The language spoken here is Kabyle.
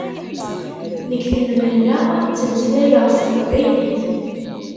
Deg tenmehla ttmeslayeɣ s teqbaylit.